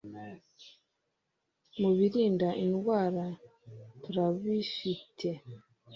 ni birinda indwara turabifite